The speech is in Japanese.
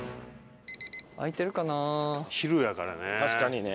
昼やからね。